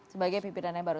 sebagai pimpinannya baru